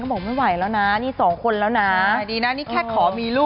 เบียดชนะแน่นอน